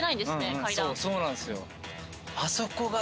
階段そうなんですよ